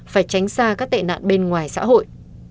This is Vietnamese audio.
phải tránh xa các tệ nạn bên ngoài xã hội